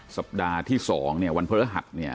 สัปดาห์ที่๒เนี่ยวันพฤหัสเนี่ย